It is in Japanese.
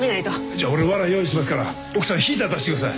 じゃあ俺わら用意しますから奥さんヒーター出してください。